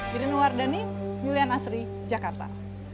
diren wardani julian asri jakarta